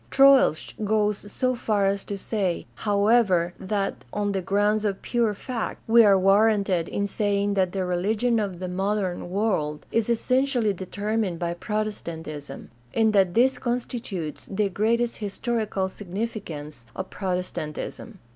Troeltsch goes so far as to say, however, that, "on the grounds of pure fact, we are warranted in saying that the religion of the modern world is essentially determined by Protestantism, and that this constitutes the greatest historical significance of Protestantism" {Protestant ism and Progress, p.